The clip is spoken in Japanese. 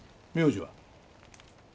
名字は？